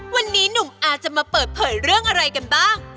วันนี้หนุ่มอาจะมาเปิดเผยเรื่องอะไรกันบ้าง